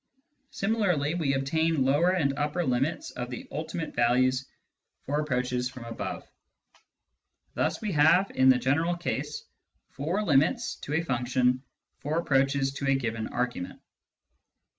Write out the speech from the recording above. Similarly we obtain lower and upper limits of the " ultimate " values for approaches from above. Thus we have, in the general case, /our limits to a function for approaches to a given argument.